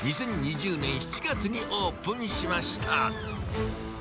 ２０２０年７月にオープンしました。